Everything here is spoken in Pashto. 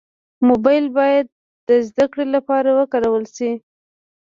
موبایل باید د زدهکړې لپاره وکارول شي.